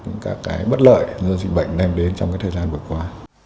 những cái bất lợi do dịch bệnh đem đến trong cái thời gian vừa qua